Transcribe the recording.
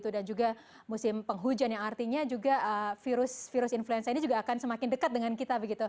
dan juga musim penghujan yang artinya juga virus virus influenza ini juga akan semakin dekat dengan kita